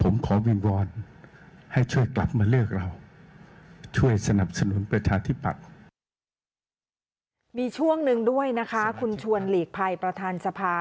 มีช่วงหนึ่งด้วยนะคะคุณชวนหลีกภัยประธานสภา